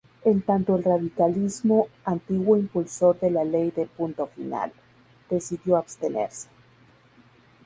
En tanto el radicalismo, antiguo impulsor de la ley de Punto Final, decidió abstenerse.